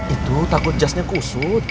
itu takut jasnya kusut